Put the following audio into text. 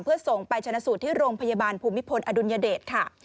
เพื่อส่งไปชนะสูตรที่โรงพยาบาลภูมิพลอดุลยเดชค่ะ